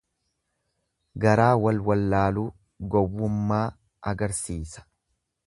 Garaa wal wallaaluu, gowwummaa agarsiisa.